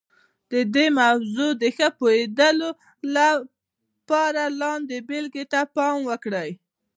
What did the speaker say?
د دې موضوع د ښه پوهېدلو لپاره لاندې بېلګې ته پام وکړئ.